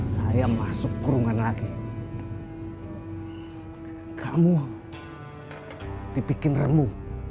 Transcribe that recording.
saya masuk kurungan lagi kamu dipikirmu